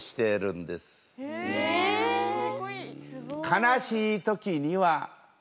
悲しい時には。